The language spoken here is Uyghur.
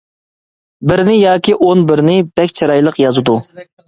بىرنى ياكى ئون بىرنى، بەك چىرايلىق يازىدۇ.